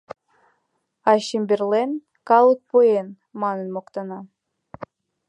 А Чемберлен «калык поен» манын моктана.